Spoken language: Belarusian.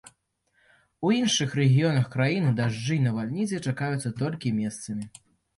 У іншых рэгіёнах краіны дажджы і навальніцы чакаюцца толькі месцамі.